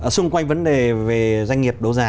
xung quanh vấn đề về doanh nghiệp đấu giá